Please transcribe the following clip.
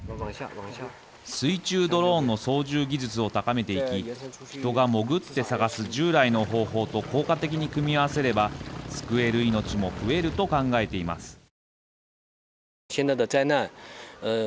水中ドローンの操縦技術を高めていき人が潜って探す従来の方法と効果的に組み合わせれば救える命も増えると考えています。